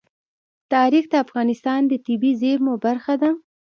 تاریخ د افغانستان د طبیعي زیرمو برخه ده.